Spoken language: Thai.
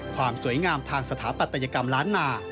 ความสวยงามทางสถาปัตยกรรมล้านนา